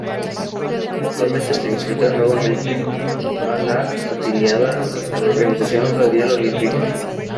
Actualmente se encuentra nuevamente a la afiliada a la Organización Radial Olímpica.